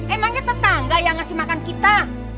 emangnya tetangga yang ngasih makan kita